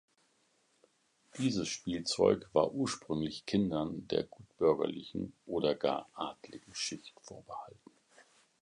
Dieses Spielzeug war ursprünglich Kindern der gutbürgerlichen oder gar adligen Schicht vorbehalten.